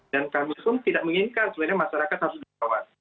kami pun tidak menginginkan sebenarnya masyarakat harus dirawat